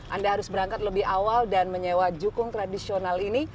anda harus berangkat lebih awal dan menyewa jukung tradisional ini